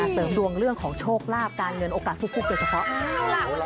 เสริมดวงเรื่องของโชคลาภการเงินโอกาสฟุกโดยเฉพาะ